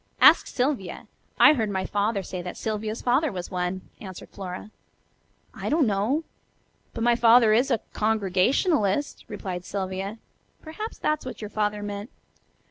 "Ask Sylvia. I heard my father say that Sylvia's father was one," answered Flora. "I don't know. But my father is a Congregationalist," replied Sylvia. "Perhaps that's what your father meant."